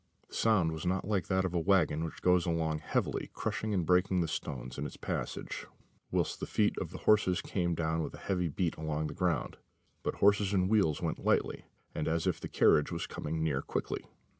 The sound was not like that of a waggon, which goes along heavily, crashing and breaking the stones in its passage, whilst the feet of the horses come down with a heavy beat upon the ground; but horses and wheels went lightly, and as if the carriage was coming near quickly.